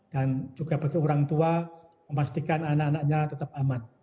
dan juga bagi orang tua memastikan anak anaknya tetap aman